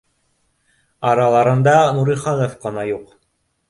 Араларында Нуриханов ҡына юҡ